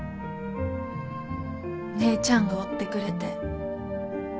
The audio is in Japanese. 姉ちゃんがおってくれて。